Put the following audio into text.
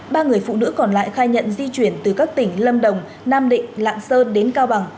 ba người phụ nữ còn lại khai nhận di chuyển từ các tỉnh lâm đồng nam định lạng sơn đến cao bằng